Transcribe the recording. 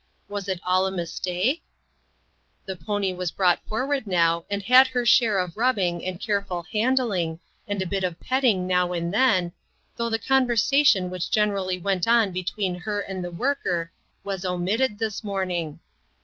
Was it all a mistake ? The pony was brought forward now and had her share of rubbing and careful han dling, and a bit of petting now and then, though the conversation which generally went on between her and the worker was omitted this morning.